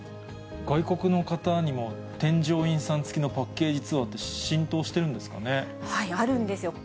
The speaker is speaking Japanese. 外国の方にも添乗員さん付きのパッケージツアーって、浸透してるんですかね。